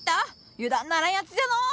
油断ならんやつじゃのう。